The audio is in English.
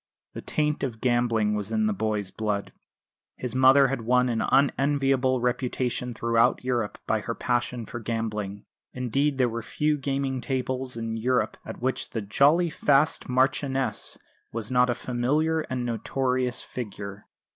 The taint of gambling was in the boy's blood. His mother had won an unenviable reputation throughout Europe by her passion for gambling; indeed there were few gaming tables in Europe at which the "jolly fast Marchioness" was not a familiar and notorious figure.